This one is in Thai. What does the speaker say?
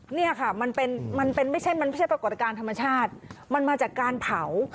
นี่ค่ะมันไม่ใช่ปรากฎการณ์ธรรมชาติมันมาจากการเผา